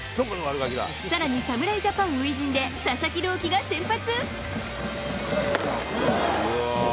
さらに侍ジャパン初陣で、佐々木朗希が先発。